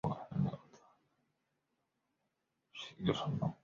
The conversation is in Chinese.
没有被告否认有罪。